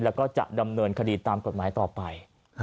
แล้วก็จะดำเนินคดีตามกฎหมายต่อไป